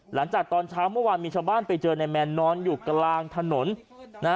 หลังจากตอนเช้าเมื่อวานมีชาวบ้านไปเจอนายแมนนอนอยู่กลางถนนนะฮะ